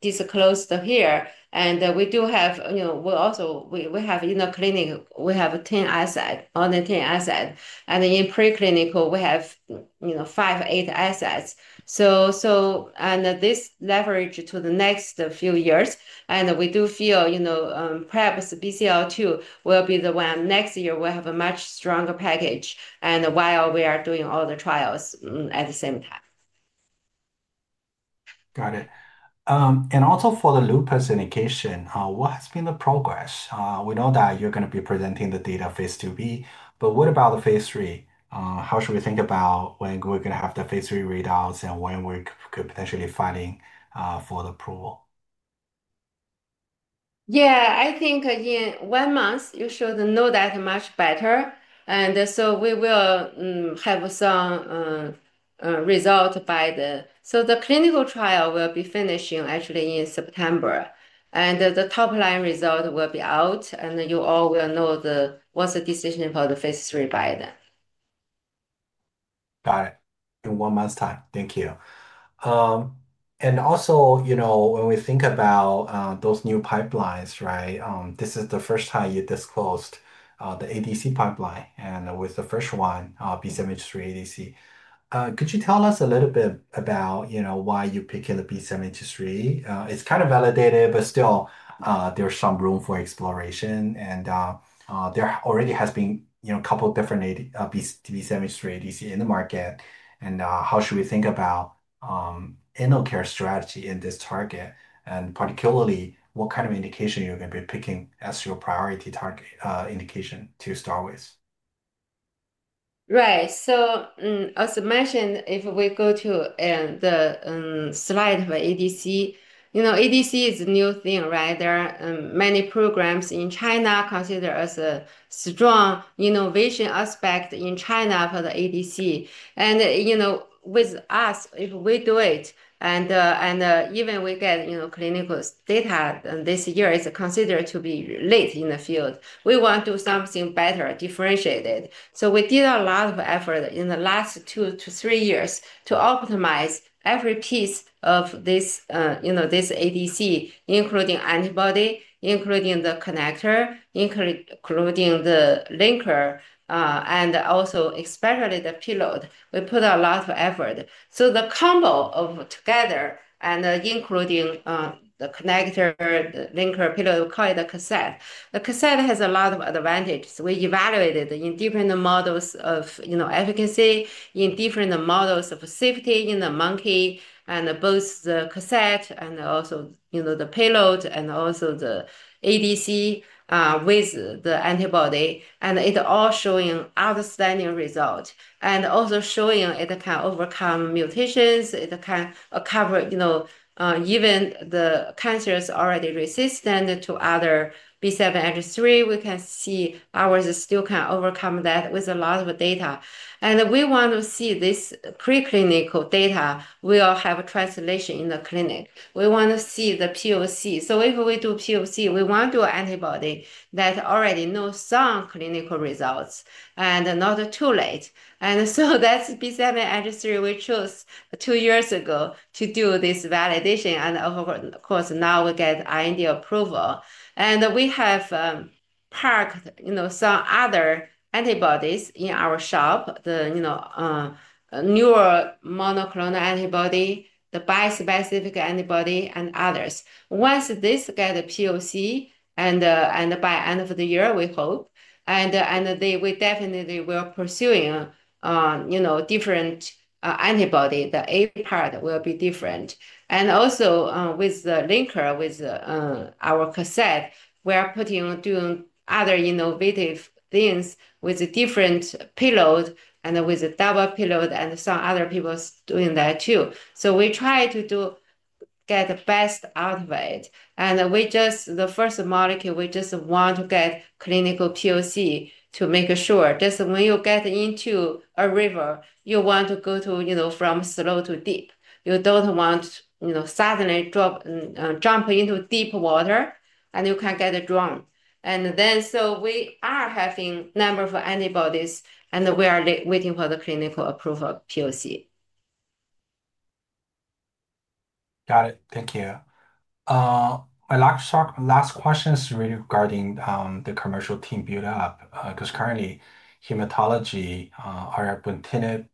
disclosed here. We also have in the clinic, we have 10 assets, only 10 assets. In preclinical, we have five, eight assets. This leverage to the next few years. We do feel perhaps BCL2 will be the one next year we'll have a much stronger package while we are doing all the trials at the same time. Got it. Also, for the lupus indication, what has been the progress? We know that you're going to be presenting the data phase II-B. What about the phase III? How should we think about when we're going to have the phase III readouts and when we could potentially have funding for the approval? I think in one month, you should know that much better. We will have some results by then. The clinical trial will be finishing actually in September, and the top-line result will be out. You all will know what's the decision for the phase III by then. Got it. In one month's time. Thank you. Also, you know, when we think about those new pipelines, right, this is the first time you disclosed the ADC pipeline, and with the first one, B7-H3 ADC. Could you tell us a little bit about why you picked the B7-H3? It's kind of validated, but still there's some room for exploration. There already has been a couple of different B7-H3 ADC in the market. How should we think about InnoCare strategy in this target, and particularly, what kind of indication you're going to be picking as your priority target indication to start with? Right. As I mentioned, if we go to the slide for ADC, ADC is a new thing, right? There are many programs in China considered as a strong innovation aspect in China for the ADC. With us, if we do it, and even if we get clinical data this year, it's considered to be late in the field. We want to do something better, differentiated. We did a lot of effort in the last two to three years to optimize every piece of this ADC, including antibody, including the connector, including the linker, and also especially the payload. We put a lot of effort. The combo together, including the connector, the linker, payload, we call it a cassette. The cassette has a lot of advantages. We evaluated in different models of efficacy, in different models of safety in the monkey, and both the cassette and also the payload and also the ADC with the antibody. It all showed outstanding results, also showing it can overcome mutations. It can cover, even the cancers already resistant to other B7-H3. We can see ours still can overcome that with a lot of data. We want to see this preclinical data will have a translation in the clinic. We want to see the POC. If we do POC, we want to do antibody that already knows some clinical results and not too late. That's B7-H3 we chose two years ago to do this validation. Of course, now we get IND approval. We have parked some other antibodies in our shop, the neuromonoclonal antibody, the bi-specific antibody, and others. Once this gets POC and by the end of the year, we hope, we definitely will pursue different antibodies. The A part will be different. Also with the linker, with our cassette, we are doing other innovative things with different payloads and with double payloads and some other people doing that too. We try to get the best out of it. The first molecule, we just want to get clinical POC to make sure just when you get into a river, you want to go from slow to deep. You don't want to suddenly jump into deep water and you can get drowned. We are having a number of antibodies and we are waiting for the clinical approval POC. Got it. Thank you. I'd like to talk last questions really regarding the commercial team buildup because currently hematology, Orelabrutinib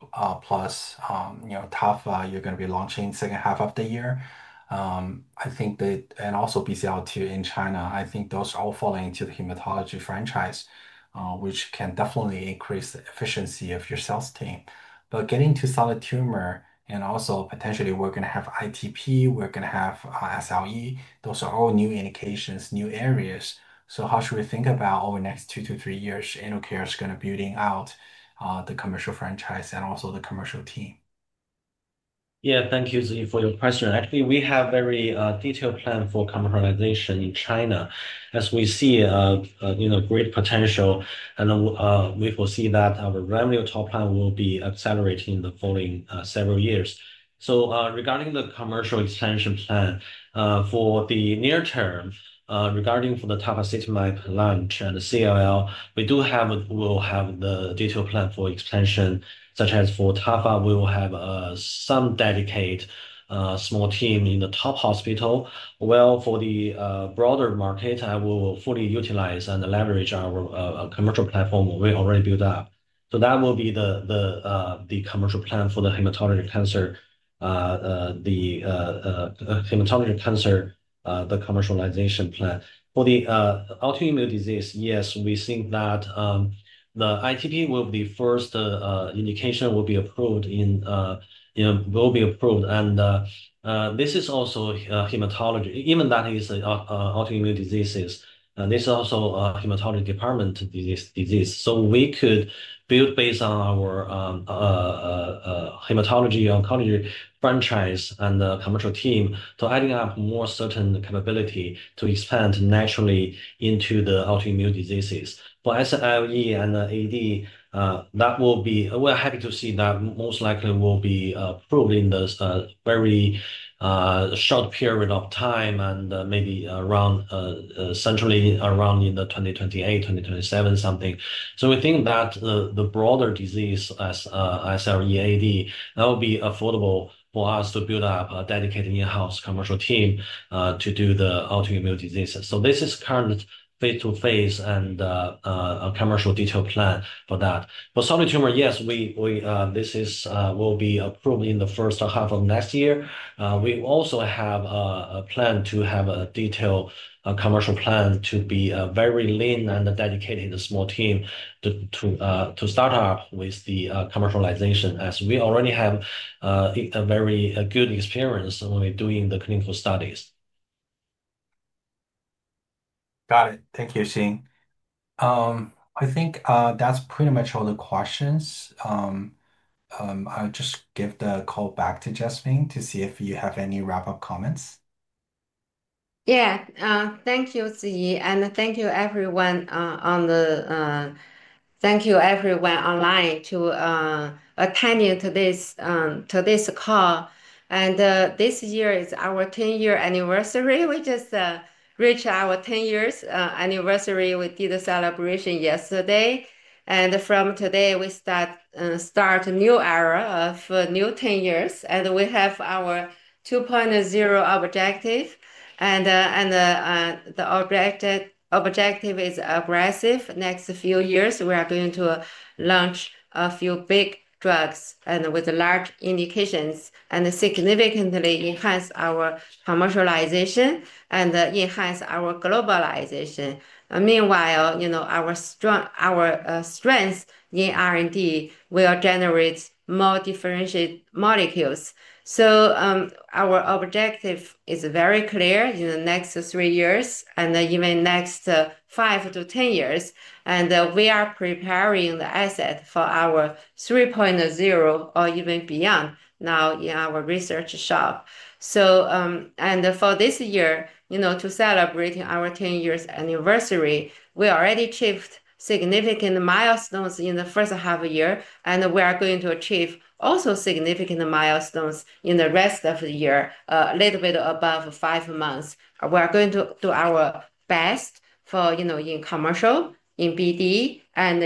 plus Tafa, you're going to be launching the second half of the year. I think that, and also BCL2 in China, I think those are all falling into the hematology franchise, which can definitely increase the efficiency of your sales team. Getting to solid tumor and also potentially we're going to have ITP, we're going to have SLE, those are all new indications, new areas. How should we think about over the next two to three years, InnoCare is going to be building out the commercial franchise and also the commercial team? Yeah, thank you, Zhi, for your question. I think we have a very detailed plan for commercialization in China. As we see great potential, and we foresee that our revenue top line will be accelerating in the following several years. Regarding the commercial expansion plan for the near term, regarding the Tafasitamab launch and the CLL, we do have, we will have the detailed plan for expansion, such as for Tafa, we will have some dedicated small team in the top hospital. For the broader market, we will fully utilize and leverage our commercial platform we already built up. That will be the commercial plan for the hematology cancer, the hematology cancer, the commercialization plan. For the autoimmune disease, yes, we think that the ITP will be the first indication will be approved in, will be approved. This is also hematology, even that is autoimmune diseases. This is also a hematology department disease. We could build based on our hematology oncology franchise and the commercial team to add up more certain capability to expand naturally into the autoimmune diseases. For SLE and AD, that will be, we're happy to see that most likely will be approved in the very short period of time and maybe around centrally around in the 2028, 2027, something. We think that the broader disease as SLE, AD, that will be affordable for us to build up a dedicated in-house commercial team to do the autoimmune diseases. This is current face-to-face and a commercial detailed plan for that. For solid tumor, yes, this will be approved in the first half of next year. We also have a plan to have a detailed commercial plan to be very lean and dedicated in the small team to start up with the commercialization as we already have a very good experience when we're doing the clinical studies. Got it. Thank you, Xin. I think that's pretty much all the questions. I'll just give the call back to Jasmine to see if you have any wrap-up comments. Thank you, Zhi. Thank you everyone online, for attending this call. This year is our 10-year anniversary. We just reached our 10-year anniversary. We did a celebration yesterday. From today, we start a new era of new 10 years. We have our 2.0 objective, and the objective is aggressive. Next few years, we are going to launch a few big drugs with large indications and significantly enhance our commercialization and enhance our globalization. Meanwhile, our strengths in R&D will generate more differentiated molecules. Our objective is very clear in the next three years and even next five to 10 years. We are preparing the asset for our 3.0 or even beyond now in our research shop. For this year, to celebrate our 10-year anniversary, we already achieved significant milestones in the first half of the year. We are going to achieve also significant milestones in the rest of the year, a little bit above five months. According to our best, in commercial, in BD, and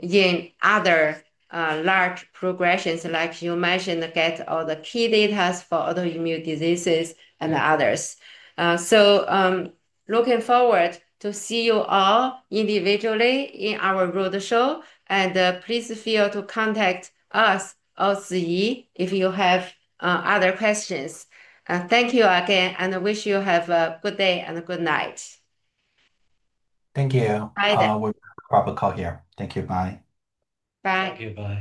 in other large progressions, like you mentioned, get all the key data for autoimmune diseases and others. Looking forward to see you all individually in our roadshow. Please feel free to contact us, OCE, if you have other questions. Thank you again, and I wish you have a good day and a good night. Thank you. Bye-bye. I'll wrap up the call here. Thank you. Bye. Bye. Thank you. Bye.